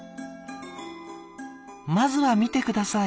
まずは見て下さい。